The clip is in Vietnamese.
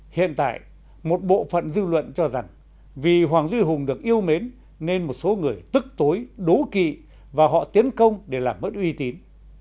hiện tại một bộ phận dư luận cho rằng vì hoàng duy hùng được yêu mến nên một số người tức tối đố kỵ và họ tiến công để làm mất uy tín